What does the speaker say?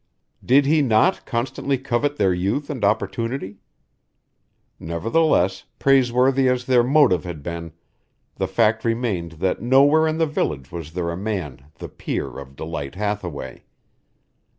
Did he not constantly covet their youth and opportunity? Nevertheless, praiseworthy as their motive had been, the fact remained that nowhere in the village was there a man the peer of Delight Hathaway.